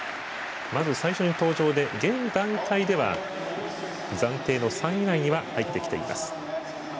まず最初の登場で現段階では暫定の３位以内に入ってきています。